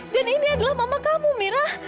dan ini adalah mama kamu mira